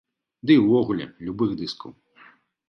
Ды і ўвогуле, любых дыскаў.